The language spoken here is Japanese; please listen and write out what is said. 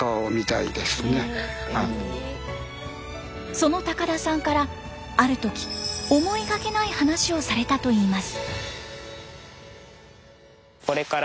その高田さんからある時思いがけない話をされたといいます。